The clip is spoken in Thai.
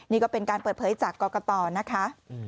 นี่ก็เป็นการเปิดเผยจากกรกตนะคะ